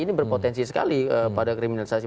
ini berpotensi sekali pada kriminalisasi